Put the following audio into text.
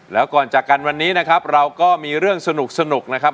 แล้วก่อนจากกันวันนี้นะครับเราก็มีเรื่องสนุกนะครับ